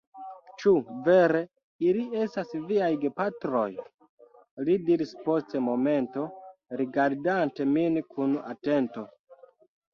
Ĉu vere ili estas viaj gepatroj? li diris post momento, rigardante min kun atento.